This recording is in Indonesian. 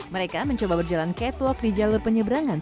mereka mencoba berjalan catwalk di jalur penyeberangan